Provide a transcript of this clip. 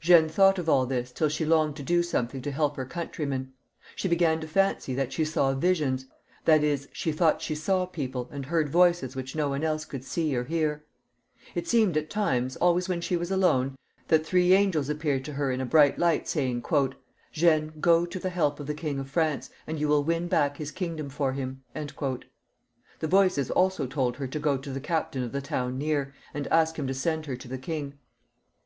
'Jeanne thought of all this till she longed to do some thing to help her countrymen. She began to fancy that she saw visions, that is, that she thought she saw people and heard voices which no one else could see or hear. It 202 CHARLES VIL [CH. I I ■*! 1 1 1 I I ri 11 I ■■! in _ IM v. seemed at times, always when she was alone, that three angels appeared to her in a bright Ught, saying, « Jeanne, go to the help of the King of France, and you will win back his kingdom for him." The voices also told her to go to the captain of the town near, and ask him to send her to the king.